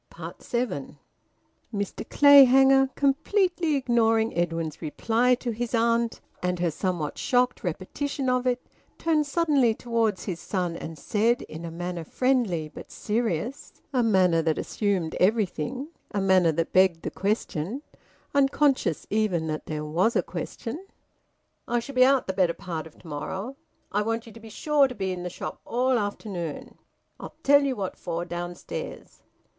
SEVEN. Mr Clayhanger, completely ignoring Edwin's reply to his aunt and her somewhat shocked repetition of it, turned suddenly towards his son and said, in a manner friendly but serious, a manner that assumed everything, a manner that begged the question, unconscious even that there was a question "I shall be out the better part o' to morrow. I want ye to be sure to be in the shop all afternoon I'll tell you what for downstairs."